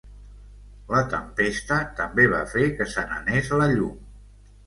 La tempesta també va fer que se n'anés la llum.